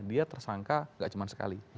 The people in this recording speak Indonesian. dia tersangka gak cuman sekali